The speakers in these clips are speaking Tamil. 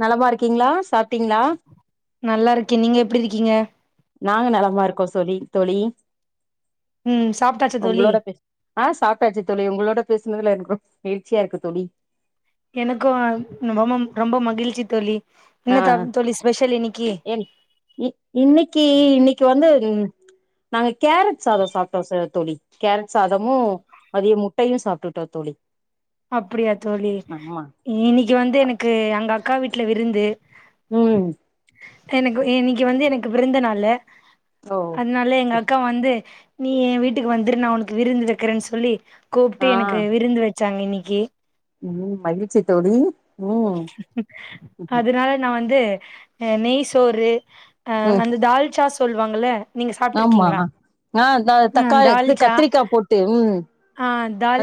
நலமா இருக்கீங்களா சாப்டீங்களா நல்லாருக்கே நீங்க எப்டி இருக்கீங்க நாங்க நலமா இருக்கோ சொலி தோழி ம் சாப்ட்டாச்சு தோழி உங்களோட பேஸ் ஆ சாப்டாச்சு தோழி உங்களோட பேசுனதுல எனக்கு நெகிழ்ச்சியா இருக்கு தோழி எனக்கு மமம் ரொம்ப மகிழ்ச்சி தோழி ஆ என்ன த ஆ தோழி ஸ்பெஷல் இன்னைக்கி என் இ இன்னக்கி இன்னக்கி வந்து நாங்க கேரட் சாதோ சாப்ட்டோ ச தோழி கேரட் சாதமு அதியு முட்டையு சாப்ட்டுட்டோ தோழி அப்டியா தோழி ஆமா இன்னைக்கி வந்து எனக்கு அங்க அக்கா வீட்ல விருந்து ம் எனக்கு இன்னக்கி வந்து எனக்கு விருந்து நாள் ஓ அதனால எங்க செ அக்கா வந்து நீ என் வீட்டுக்கு வந்துரு நா உனக்கு விருந்து வக்கிறேன்னு சொல்லி ஆ கூப்ட்டு எனக்கு விருந்து வச்சாங்க இன்னக்கி ம் மகிழ்ச்சி தோழி ம் அதுனால நா வந்து நெய் சோறு அ ம் அந்த தால்சா சொல்வாங்கள ஆமா ஆ ஆ தக்காளி இது தால்ச்சா கத்திரிக்கா போட்டு ம் ஆ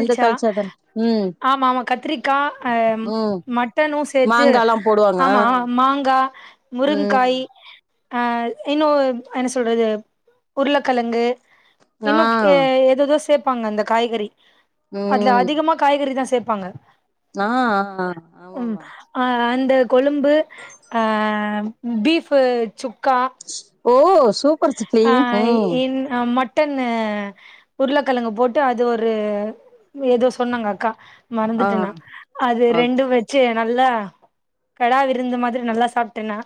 அந்த தாளிச்சாதன் ம் ஆம ஆமா கத்திரிக்கா ம் மட் ட்டனு சேத்து மாங்கால்லா போடுவாங்க ஆ ஆமா மாங்கா முருங்காய் ம் ஆ இன்னு என்ன சொல்றது உருளக்கெழங்கு ஆ இன்னு ஏததோ சேப்பாங்க அந்த காய்கறி அதுல ம் அதிகமா காய்கறி தா சேப்பாங்க அ அ அ ம் அ அந்த கொழும்பு அ பீஃபு சுக்கா ஓ சூப் ஆ இன் மட் மட்டன்னு உருளைக்கிழங்கு போட்டு அது ஒரு எதோ சொன்னாங்க அக்கா ஆ மறந்துட்டனா அது ஓகே ரெண்டு வெச்சு நல்லா கடா விருந்து மாதிரி நல்லா சாப்ட்டேன்னா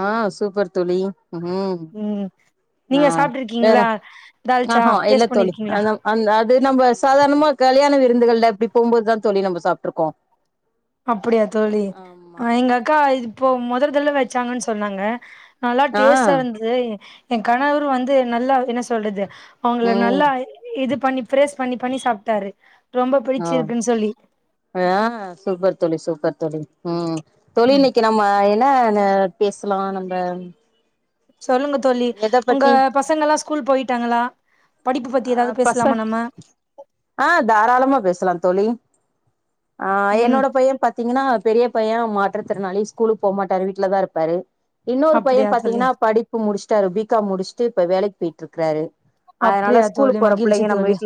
ஆ சூப்பர் தோழி ம் ம் ஆ நீங்க வேற சாப்ட்ருக்கீங்களா தால்ச்சா ஆஹ டேஸ்ட் இல்லத்தோழி பண்ணிருக்கீங்களா அதாம் அந்த அது நம்ம சாதாரணமா கல்யாண விருந்துகள்ல அப்படி போம்போதுதா தோழி நம்ம சாப்ட்டு இருக்கோ அப்படியா தோழி அ எங்க அக்கா இப்போ முதரதல்ல வச்சாங்கன்னு சொன்னாங்க நல்லா ஆ டேஸ்ட்டா இருந்தது என் கணவரு வந்து நல்லா என்ன சொல்றது அவங்கள ம் நல்லா இது பண்ணி பிரேஷ் பண்ணி பண்ணி சாப்ட்டாரு ரொம்ப ஆ பிடிச்சிருக்குன்னு சொல்லி ஆ சூப்பர் தோழி சூப்பர் தோழி ம் தோழி ம் இன்னைக்கு நம்ம என்னானு பேசலா நம்ப சொல்லுங்க தோழி உங்க பத்தி பசங்கல்லா ஸ்கூல் போயிட்டாங்களா படிப்பு பத்தி ஆ எதாவது பசங் பேசலாமா நம்ம ஆ தாராளமா பேசலா தோழி ஆ ம் என்னோட பையன் பத் த்தீங்கன்னா பெரிய பையன் மாற்றுத்திறனாளி ஸ்கூலு போமாட்டாரு வீட்டுல தா இருப்பாரு இன்னொரு பையன் அப்டியா தோழி பாத்தீங்கன்னா படிப்பு முடிச்சுட்டாரு பி காம் முடிச்சுட்டு இப்ப வேலைக்கு போயிட்டு இருக்காரு அப்படியா தோழி மகிழ்ச்சி தோழி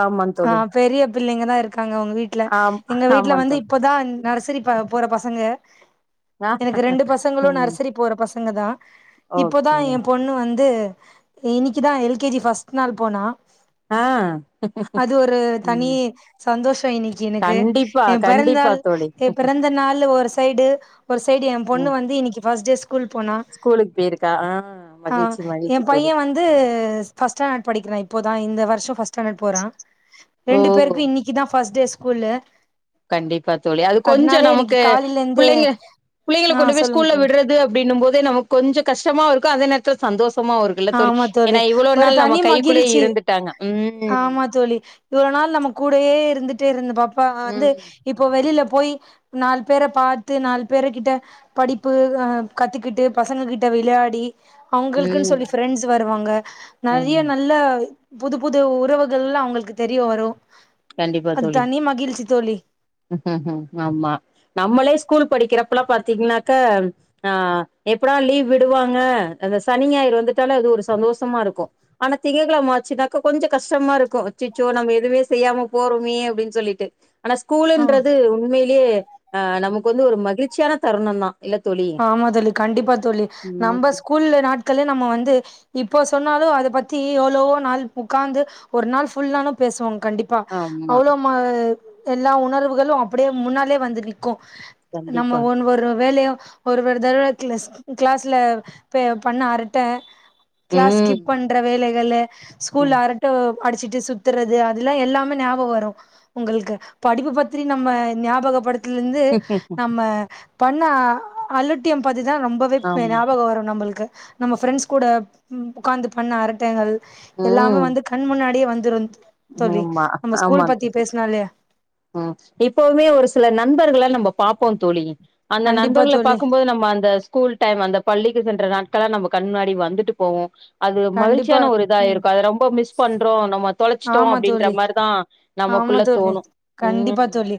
ஆமா ஆ தோழி பெரிய பிள்ளைங்க தா இருக்காங்க உங்க வீட்டுல ஆம் எங்க ஆமா வீட்ல வந்து தோழி இப்பதா நர்சரி போற பசங்க ஆ எனக்கு ரெண்டு பசங்களு ம் நர்சரி போற பசங்க தா இப்போதா ஓகே என் பொண்ணு வந்து இன்னைக்குதா எல் கே கேஜி ஃர்ஸ்ட் நாள் போனா ஆ அது ஒரு தனி ம் சந்தோஷம் இன்னைக்கு எனக்கு கண்டிப்பா என் பிறந்த கண்டிப்பா நாள் தோழி என் பிறந்த நாள் ஒரு சைடு ஒரு சைடு என் பொண்ணு ம் வந்து இன்னைக்கு ஃபர்ஸ்ட் டே ஸ்கூ கூல் போனா ஸ்கூலுக்கு போயிருக்கா ஆ ஆ மகிழ்ச்சி மகிழ்ச்சி என் தோழி பையன் வந் து ஃபஸ்ட் ஸ்டாண்ட் படிக்கிற இப்போதா இந்த வருஷம் போற ஓ ரெண்டு பேருக்கு இன்னைக் இதா ஃபர்ஸ்ட் டே ஸ்கூல்லு கண்டிப்பா தோழி அது கொஞ்ச அதனால இன்னிக்கு நமக்கு காலைல இருந்தே பிள்ளைங்க பிள்ளைங்கள ஆ கொண்டு போய் சொல்லுங்க ஸ்கூல்ல தோழி விடுறது அப்படின்னும் போதே நமக்கு கொஞ்சம் கஷ்டமா இருக்கு அதே நேரத்தில சந்தோஷமாவு இருக்கு இல்ல தோழி ஆமா ஏன்னா இவ்வளோ ஒரு நாள் நம்ம தனி கைக்குள்ளேயே மகிழ்ச்சி இருந்துட்டாங்க ம் ஆமா தோழி இவ்வள நாள் நம்ம கூடயே இருந்துட்டே இருந்த பாப்பா வந்து ம் இப்போ வெளியில போய் நாலு பேரை பாத்து நாலு பேர் கிட்ட படிப்பு அ கத்துக்கிட்டு பசங்க கிட்ட விளையாடி அவுங்களுக்குன்னு ம் சொல்லி ஃப்ரெண்ட்ஸ் வருவாங்க நறைய ம் நல்ல புது புது உறவுகள்லா அவுங்களுக்கு தெரிய வரு கண்டிப்பா அது தோழி தனி மகிழ்ச்சி தோழி ஆமா நம்மளே ஸ்கூல் படிக்கிறப்பல்லா பாத்தீங்கன்னாக்கா அ எப்படா லீவ் விடுவாங்க அந்த சனி ஞாயிறு வந்துட்டால அது ஒரு சந்தோஷமா இருக்கும் ஆனா திங்கள்கிழமை ஆச்சுனாக்கா கொஞ்சோ கஷ்டமா இருக்கும் அச்சச்சோ நம்ம எதுமே செய்யாம போறமே அப்படின்னு சொல்லிட்டு ஆ ஸ்கூல்ன்றது உண்மையிலே அ நமக்கு வந்து ஒரு மகிழ்ச்சியான தருணம் தா இல்ல தோழி ஆமா தோழி கண்டிப்பா தோழி நம்ப ம் ஸ்கூல்ல நாட்களே நம்ப வந்து இப்போ சொன்னாலு அது பத்தி எவ்வளோவோ நாள் உக்காந்து ஒரு நாள் ஃபுல்லானும் பேசுவோ கண்டிப் பா ஆமா அவ்ளோ மா எல்லா உணர்வுகளும் அப்படியே முன்னாலே வந்து நிக்கும் நம்ம கண்டிப்பா ஒன் ஒரு வேலையு ஒரு ஒரு தடவை கிளஸ் கிளாஸ்ல போய் பண்ண அரட்ட கிளாஸ் ம் ஸ்கிப் பண்ற வேலைகளு ஸ்கூல் ம். அர ட்டோ அடிச்சிட்டு சுத்தறது அதெல்லா எல்லாமே ஞாபகம் வரும் உங்கள்க்கு படிப்பு பத்திரி நம்ம ஞாபகப்படுத் தில இந்து நம்ம பண்ண அலட்டியம் பத்தி தா ரொம்ப வித்மே ஆமா ஞாபகம் வரும் நம்மள்க்கு நம்ம ஃப்ரண்ட்ஸ் கூட உக்காந்து பண்ண அரட்டங்கள் எல்லாமே ம் வந்து கண் முன்னாடியே வந்துரு தோழி ஆமா நம்ம ஸ்கூல் ஆமா பத்தி பேசுனாலே ம் இப்பவுமே ஒரு சில நண்பர்கள நம்போ பாப்போ தோழி அந்த கண்டிப்பா நண்பர்கள தோழி பாக்கும்போது நம்ம அந்த ஸ்கூல் டைம் அந்த பள்ளிக்கு சென்ற நாட்கள்லா நம்ம கண் முன்னாடி வந்துட்டு போகும் அது கண்டிப்பா மகிழ்ச்சியான ஒரு இதா ம் இருக்கும் அதை ரொம்ப மிஸ் பண்றோ நம்ம தொளச்சி டோ ஆமா தோழி அப்படின்ற மாறிதா ஆமா நமக்குள்ள தோழி தோணு கண்டிப்பா ம் தோழி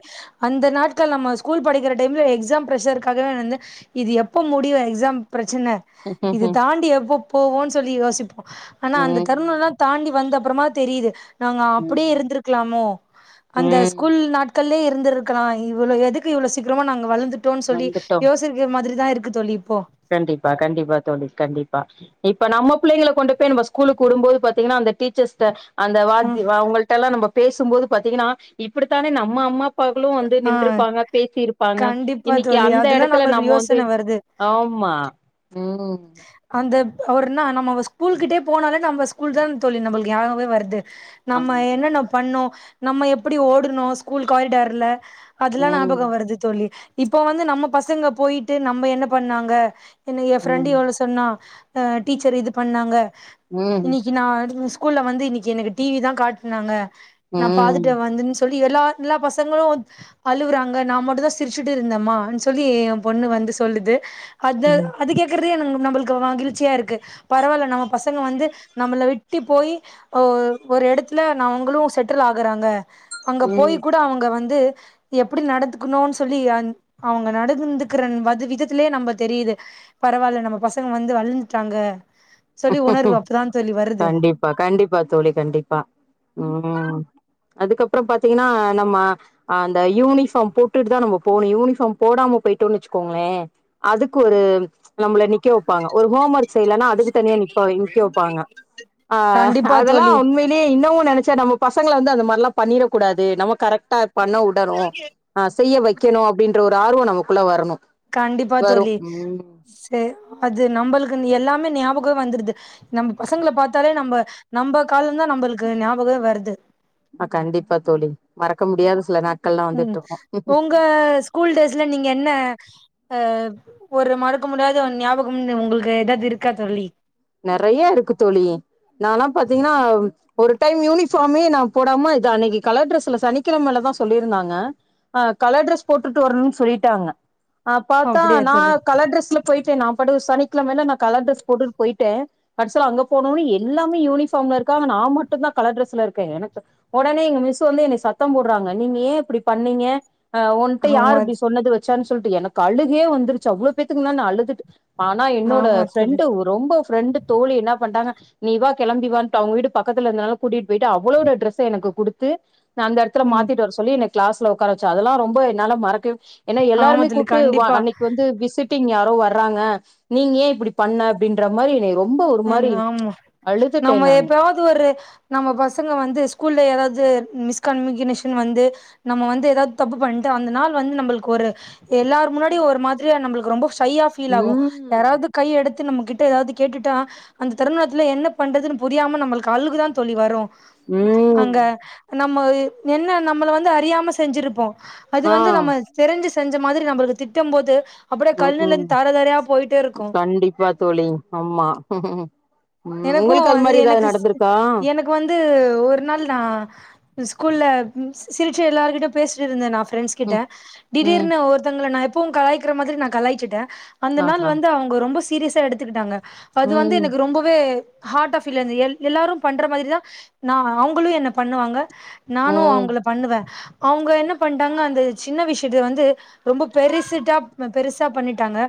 அந்த நாட்கள் நம்ம ஸ்கூல் படிக்கிற டைம்ல எக்ஸாம் ஃப்ஷருக்காகவே வந்து இது எப்ப முடியு எக்ஸாம் பிரச்சனை இது ம் தாண்டி எப்போ போவோன்னு சொல்லி யோசிப்போ ஆனா அந்த ம் தருணம் எல்லா தாண்டி வந்த அப்புறமா தெரியுது நாங்க அப்படியே ம் இருந்திருக்கலாமோ அந்த ம் ஸ்கூல் நாட் கள்லயே இருந்திருக்கலா இவ்ளோ எதுக்கு இவ்வளவு சீக்கிரமா நாங்க வளர்ந்துட்டோன்னு சொல்லி வந்துட்டோ யோசி க்கிற மாதிரிதா இருக்கு தோழி இப்போ கண்டிப்பா கண்டிப்பா தோழி கண்டிப்பா இப்ப நம்ம புள்ளைகள கொண்டு போயி நம்ம ஸ்கூலுக்கு வுடும்போது பாத்தீங்கன்னா அந்த டீச்சர்ஸ்ட்ட அந்த ம் வாத்தி அவங்கள்ட எல்லா நம்ம பேசும்போது பாத்தீங்கன்னா இப்படித்தானே நம்ம அம்மா அப்பாக்களு வந்து ஆ நின்ருப்பாங்க பேசிருப்பாங்க கண்டிப்பா இன்னைக்கி தோழி அந்த அதெல்லா இடத்துல நம்ம நம்மளுக்கு வந்து யோசன வருது ஆமா உம் அந்த அவர்னா நம்ம அவ ஸ்கூல்கிட்டயே போனாலே நம்ம ஸ்கூல் தான் தோழி நம்மளுக்கு ஞாபகமே வருது நம்ம ஆமா என்னென்ன பண்ணோ நம்ம எப்படி ஓடுனோ ஸ்கூல் காரிடார்ல அதுல்லா ம் ஞாபகம் வருது தோழி இப்ப வந்து நம்ம பசங்க போயிட்டு நம்ம என்ன பண்ணாங்க என்னை என் ஃப்ரெண்ட் ம் எவ்ளோ தன்னா அ டீச்சர் இது பண்ணாங்க உம் க்கு நா ஸ்கூல்ல வந்து இன்னைக்கி எனக்கு டி வி தா காட்டுனாங்க நா ம் பாத்துட்டு வந்தேன்னு சொல்லி எல்லா எல்லா பசங்களும் அழுவுறாங்க நா மட்டுந்தா சிரிச்சுட்டு இருந்தேம்மான்னு சொல்லி என் பொண்ணு வந்து சொல்லுது அது ம் அது கேக்குறதே நம்மள்க்கு மகிழ்ச்சியா இருக்கு பரவால்ல நம்ப பசங்க வந்து நம்பள விட் டி போயி அ ஒரு இடத்துல ந அவங்களும் செட்டில் ஆகுறாங்க அங்க போயி ம் கூட அவங்க வந்து எப்பிடி நடத்துக்கணுன்னு சொல்லி அந் அவங்க நடந்து க்கற வது விதத்திலயே நம்ப தெரியுது பரவால்ல நம்ப பசங்க வந்து வளந்துட்டாங்க சொல்லி உணர்வு அப்பதா தோழி வருது ப்ப கண்டிப்பா தோழி கண்டிப்பா ம் அதுக்கப்புறம் பாத்தீங்கன்னா நம்ம அ அந்த யூனிபார்ம் போட்டுட்டு தான் நம்ம போகணு யூனிஃபார்ம் போடாம போயிட்டோ வச்சுக்கோங்களே அதுக்கு ஒரு நம்மள நிக்க வைப்பாங்க ஒரு ஹோம் ஒர்க் செய்யலன்னா அதுக்கு தனியா நப்ப நிக்க வைப்பாங்க கண்டிப்பா அதெல்லா தோழி உண்மை யிலே இன்னு நினைச்சா நம்ம பசங்களை வந்து அந்த மாதிரால்லா பண்ணிட கூடாது நம்ம கரெக்டா பண்ண உடணு ஆ செய்ய வைக்கணு அப்படின்ற ஒரு ஆர்வம் நமக்குள்ள வரணு கண்டிப்பா வரு தோழி ம் செ அது நம்மளுக்கு எல்லாமே ஞாபகம் வந்துருது நம்ம பசங்கள பாத்தாலே நம்ம நம்ம காலதா நம்மளுக்கு ஞாபகமே வருது ஆ கண்டிப்பா தோழி மறக்க முடியாது சில நாட் ம் உங்க ஸ்கூல் டேஸ்ல நீங்க என்ன அ ஒரு மறக்க முடியாது ஒரு ஞாபகம் உங்களுக்கு எதாவது இருக்கா தோழி நறைய இருக்கு தோழி நால்லா பாத்தீங்கன்னா ஒரு டைம் யூனிஃபார்மே நா போடாம இது அன்னைக்கு கலர் ட்ரெஸ்ல சனிக்கிழமலதா சொல்லியிருந்தாங்க ஆ கலர் டிரெஸ் போட்டுட்டு வரணுனு சொல்லிட்டாங்க ப பாத்தா அப்டியா தோழி நான் கல ட்ரெஸ்ல போயிட்டே நான் பாட்டுக்கு சனிக்கிழமே நா கலர் ட்ரஸ் போட்டு ட்டே கடைசில அங்க போனனு எல்லாமே யூனிஃபார்ம்ல இருக்காங்க நான் மட்டுந்தா கலர் ட்ரெஸ்ல இருக்கே எனக்கு உடனே எங்க மிஸ் வந்து என்னை சத்தம் போடுறாங்க நீங்க ஏன் இப்படி பண்ணீங்க அ உன்ட்ட யார் ஆமா அப்டி சொன்னது வச்சானு சொல்லிட்டு எனக்கு அழுகே வந்துருச்சு அவ்ளோ பேத்துக்குமுன்ன நா அழுதுட்டு ஆனா என்னோட ஆமா தோழி ஃப்ரெண்டு ரொம்ப ஃப்ரெண்டு தோழி என்ன பண்டாங்க நீ வா கெளம்பிவான்ட்டு அவுங்க வீடு பக்கத்துல இருந்தனால கூட்டிட்டு போயிட்டு அவளோட டிரஸ்ச எனக்கு குடுத்து அந்த இடத்துல ம் மாத்திட்டு வர சொல்லி என்ன கிளாஸ்ல உக்கார வச்சா அதெல்லா ரொம்ப என்னால மறக்கவே ஏன்னா ஆமா எல்லாருமே தோழி கூப்ட்டு கண்டிப்பா அன்னைக்கு வந்து விசிட்டிங் யாரோ வர்றாங்க நீங்க ஏன் இப்டி பண்ண அப்டின்ற மாரி என்ன ரொம்ப ஒரு ன் மாரி ஆமா அழுதுட்டே நம்ம நானு எப்பாவது ஒரு நம்ம பசங்க வந்து ஸ்கூல்ல எதாவது மிஸ்கம்யூனிகேஷன் வந்து நம்ம வந்து ஏதாவது தப்பு பண்ணிட்டு அந்த நாள் வந்து நம்மளுக்கு ஒரு எல்லார் முன்னாடியு ஒரு மாதிரியா நம்மளுக்கு ரொம்ப சையா ஃபீல் ஆகு ம் யாராவது கை எடுத்து நம்ம கிட்ட எதாவது கேட்டுட்டா அந்த தருணத்துல என்ன பண்றதுன்னு புரியாம நம்மளுக்கு வந்து அழுகதா தோழி வரு ம் அங்க நம்ம என்ன நம்மள வந்து அறியாம செஞ்சிருப்போ அது ஆ வந்து நம்ம தெரிஞ்சு செஞ்ச மாதிரி நம்மளுக்கு திட்டம் போது அப்டியே ம் கண்ணுலருந்து ம் நமக்கு தார தாரையா போயிட்டே இருக்கு கண்டிப்பா தோழி ஆமா உங்களுக்கு அது மாதிரி எதாவது நடந்திருக்கா இப்ப வந்து ஒரு நாள் நா ஸ்கூல்ல சிரிச்சி எல்லார்கிட்டயு பேசிட்டு இருந்த நா ஃப்ரெண்ட்ஸ் கிட்ட ம் ம் திடீர்னு ஒருத்தவங்கள நா எப்பவு கலாய்க்கிற மாதிரி நா கலாய்ச்சிட்டே அந்த நாள் ஆஹா வந்து அவங்க ரொம்ப சீரியஸா எடுத்துக்கிட்டாங்க அது வந்து ம் எனக்கு ரொம்பவே ஹார்ட் ஆப் பீல் அந்த எல்லாரு பண்ற மாதிரிதா நா அவங்களு என்ன பண்ணுவாங்க நானு ம் அவுங்களப் பண்ணுவே அவங்க என்ன பண்டாங்க அந்த சின்ன விஷயத்த வந்து ரொம்ப பெருசிட்டா பெருசா பண்ணிட்டாங்க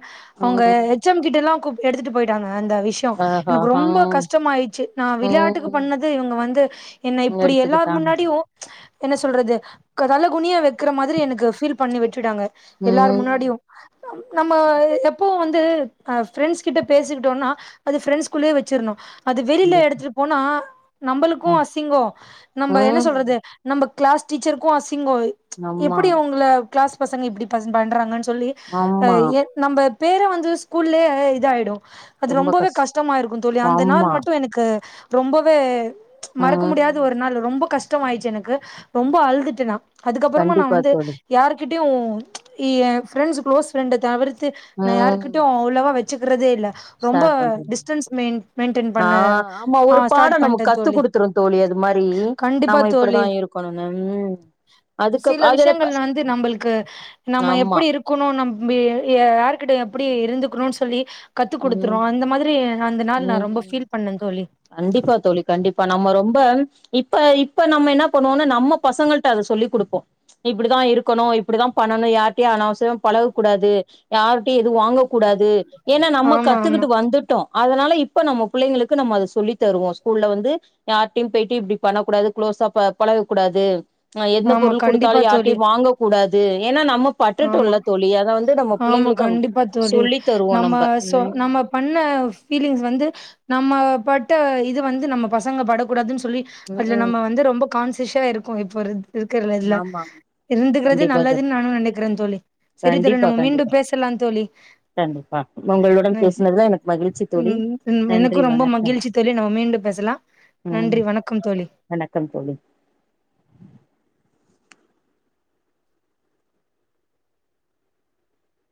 அவுங்க ம் எச் எம் கிட்டல்லா எடுத்துட்டு போயிட்டாங்க அந்த விஷயோ ஆஹா எனக்கு ஹா ரொம்ப கஷ்டமாயிடுச்சு நா விளையாட்டுக்கு ம் பண்ணது இவுங்க வந்து என்ன இப்டி எல்லார் எடுத்துக்கிட்டாங்க முன்னாடியு என்ன சொல்றது தலகுனிய வெக்கற மாதிரி எனக்கு ஃபீல் பண்ணி விட்டுட்டாங்க எல்லார் ம் முன்னாடியு நம்ம எப்போ வந்து அ ஃப்ரெண்ட்ஸ் கிட்ட பேசிட்டோம்னா அது ஃப்ரெண்ட்ஸ் குள்ளயே வெச்சிருணு அத வெளியில கண்டிப்பா. எடுத்துட்டு போனா நம்மளுக்கு ம் அசிங்கோ நம்ப என்ன ம் சொல்றது நம்ப க்ளாஸ் டீச்சருக்கு அசிங்கோ ஆமா எப்டி உங்கள க்ளாஸ் பசங்க இப்டி பண்றாங்கன்னு சொல்லி அ ஆமா எ நம்ம பேரு வந்து ஸ்கூல்லயே இதாயிடு அது ரொம்ப ரொம்பவே கஷ்டோ கஷ் டமா இருக்கு தோழி அந்த நாள் ஆமா மட்டு எனக்கு ரொம்பவே மறக்க முடியாத ம் ஒரு நாள் ரொம்ப கஷ் டமாயிடுச்சு எனக்கு ரொம்ப அழுதுட்ட நா அதுக்கப்பறமா நா கண்டிப்பா வந்து தோழி யார்கிட்டயு எ ஃப்ரெண்ட்ஸ் க்ளோஸ் ஃப்ரெண்ட தவிர்த்து நா ம் யார்கிட்டயு அவ்ளோவா வச் சிக்கிறதே இல்ல ரொம்ப ஷேர் பண்றது டிஸ் ஆ ஆமா ஆ ஒரு பாடோ ஸ்டார்ட் பண்ட்டே நமக்கு கத்து தோழி குடுத்துரு தோழி அது மாரி கண்டிப்பா நம்ம தோழி இப்படிதா இருக்கணும்னு ம் அதுக்கு சில அதுல விஷயங்கள் வந்து நம்பளுக்கு நம்ம ஆமா எப்டி இருப் க்குணு நம்பி யா யார்கிட்ட எப்டி இருந்துக்குணும்னு சொல்லி கத்து குடுத்துரு ம் இந்த மாதிரி அந்த நாள் நா ரொம்ப ம் ஃபீல் பண்ண தோழி கண்டிப்பா தோழி கண்டிப்பா நம்ம ரொம்ப இப்ப இப்ப நம்ம என்ன பண்ணுவோனு நம்ம பசங்கள்ட்ட அத சொல்லி் குடுப்போ இப்டிதா இருக்கணு இப்டிதா பண்ணணு யார்கிட்டயு அனாவசியமா பழக கூடாது யார்ட்டயு எதுவு வாங்க கூடாது ஏன்னா நம்ம ஆமா ஆமா கத்துக்கிட்டு வந்துட்டோ அதனால இப்ப நம்ம புள்ளைங்களுக்கு நம்ம அத சொல்லி தருவோ ஸ்கூல்ல வந்து யார்ட்டயு போய்ட்டு இப்டி பண்ணக்கூடாது க்ளோஸா ப பழக கூடாது அ எந்த ஆமா பொருள் குடுத்தாலு கண்டிப்பா தோழி யார்டையு வாங்க கூடாது ஏன்னா நமக் ஆமா பட்டுட்டோல தோழி அத வந்து நம்ம ஆமா புள்ளைங்களுக்கு கண்டிப்பா தோழி சொல்லி தருவோ நம்ம நம்ப சொ நம்ம பண்ண பீலிங்ஸ் வந்து நம்ம பட்ட இது வந்து நம்ம பசங்க படக்கூடாதுன் சொல்லி ம் அதுல ம் நம்ம வந்து ரொம்ப கான்சிஸா இருக்கு இப்ப ஒருது இருக்கற இதுல ஆமா இருந்துக்கிறது கண்டிப்பா தோழி நல்லதுன்னு நானு நெனைக் கிற தோழி சரி தோழி கண்டிப்பா நம்ம கண்டிப்பா மீண்டும் பேசலா தோழி கண்டிப்பா உங்களுடன் நன் பேசினதுல எனக்கு மகிழ்ச்சி தோழி ம் நன்றி எனக்கும் ரொம்ப வணக்கம் மகிழ்ச்சி தோழி நம்ம மீண்டு பேசலா ம் நன்றி வணக்கம் தோழி வணக்கம் தோழி